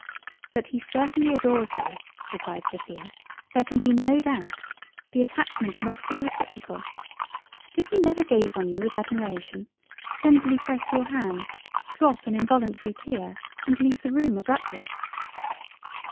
"That he certainly adores you (replied Sophia) there can be no doubt—. The Attachment must be reciprocal. Did he never gaze on you with admiration—tenderly press your hand—drop an involantary tear—and leave the room abruptly?"